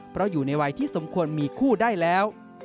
เพราะอยู่ในวัยที่สมควรมีคู่ได้แล้ว